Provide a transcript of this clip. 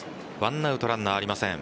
１アウトランナーありません。